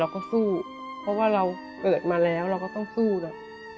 สู้เพราะว่าเราเกิดมาแล้วเราก็ต้องสู้นะ